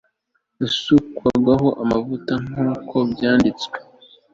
yasukwagaho amavuta nk uko byanditswe